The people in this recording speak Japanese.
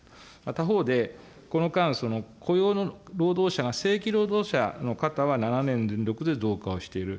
他方で、この間、雇用の労働者が、正規労働者の方は７年連続で増加をしている。